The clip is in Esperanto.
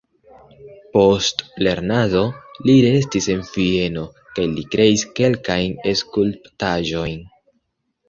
Post lernado li restis en Vieno kaj li kreis kelkajn skulptaĵojn.